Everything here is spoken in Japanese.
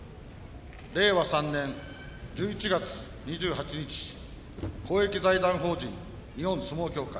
令和３年１１月２８日公益財団法人日本相撲協会